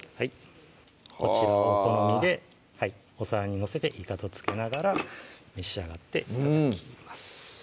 こちらお好みでお皿に載せていかと付けながら召し上がって頂きます